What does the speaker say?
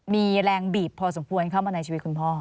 มีแรงบีบพอสมควรเข้ามาในชีวิตคุณพ่อ